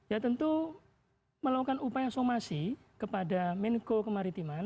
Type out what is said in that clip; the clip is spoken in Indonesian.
ya tentu melakukan upaya somasi kepada menko kemaritiman